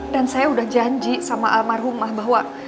dan saya udah janji sama almarhumah bahwa